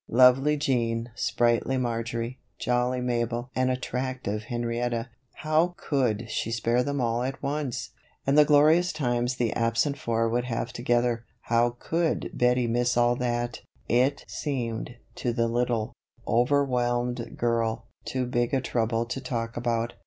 Lovely Jean, sprightly Marjory, jolly Mabel and attractive Henrietta how could she spare them all at once! And the glorious times the absent four would have together how could Bettie miss all that? It seemed, to the little, overwhelmed girl, too big a trouble to talk about.